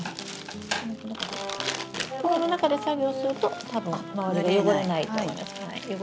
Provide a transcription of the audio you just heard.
袋の中で作業すると多分周りが汚れないと思います。